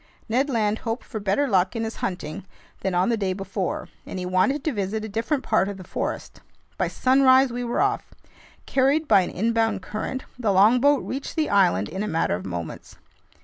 Ned Land hoped for better luck in his hunting than on the day before, and he wanted to visit a different part of the forest. By sunrise we were off. Carried by an inbound current, the longboat reached the island in a matter of moments.